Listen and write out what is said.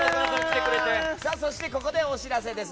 そしてここでお知らせです。